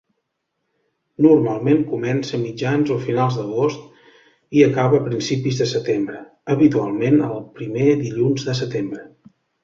Normalment comença a mitjans o finals d'agost i acaba a principis de setembre, habitualment el primer dilluns de setembre.